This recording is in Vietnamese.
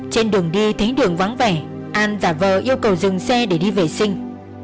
trên đường đi thấy đường vắng vẻ an và vợ yêu cầu dừng xe để đi vệ sinh